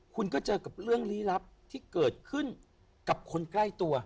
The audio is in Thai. คุณก็เจอกับเรื่องลี้ลับที่เกิดขึ้นกับคนใกล้ตัว